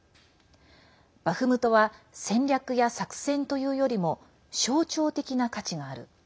バフムトは戦略や作戦というよりも象徴的な価値がある。